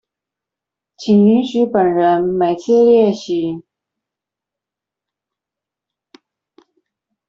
請允許本人每次列席